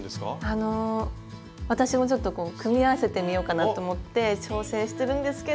あの私もちょっと組み合わせてみようかなって思って挑戦してるんですけど。